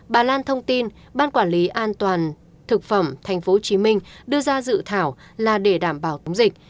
bà lan thông tin ban quản lý an toàn thực phẩm tp hcm đưa ra dự thảo là để đảm bảo tống dịch